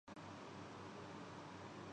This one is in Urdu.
دل لگا کر پڑھائی کرو